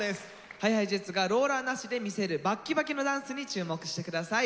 ＨｉＨｉＪｅｔｓがローラーなしで魅せるバッキバキのダンスに注目して下さい。